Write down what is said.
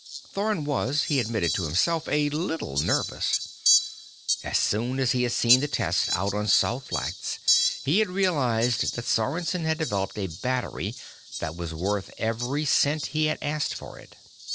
Thorn was, he admitted to himself, a little nervous. As soon as he had seen the test out on Salt Flats, he had realized that Sorensen had developed a battery that was worth every cent he had asked for it.